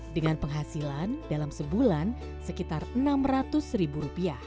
dengan penghasilan dalam sebulan sekitar enam ratus ribu rupiah